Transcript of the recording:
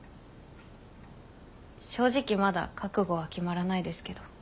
正直まだ覚悟は決まらないですけど。